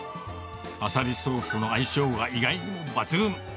アサリソースとの相性が意外に抜群。